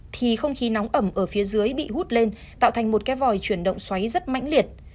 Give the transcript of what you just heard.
thì không khí nóng ẩm ở phía dưới bị hút lên tạo thành một cái vòi chuyển động xoáy rất mãnh liệt